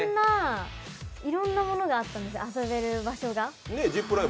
いろんなものがあったんです、遊べる場所が。